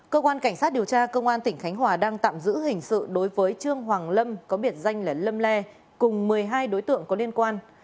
cơ quan cảnh sát điều tra công an tỉnh khánh hòa đang tạm giữ hình sự đối với trương hoàng lâm có biệt danh là lâm le cùng một mươi hai đối tượng có liên quan